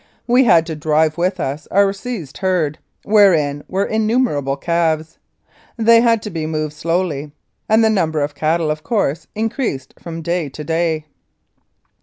We had to drive with us our seized herd, wherein were innumerable calves. They had to be moved slowly, and the number of cattle, of course, increased from day to day.